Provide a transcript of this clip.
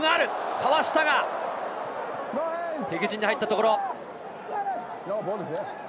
かわしたが敵陣に入ったところ。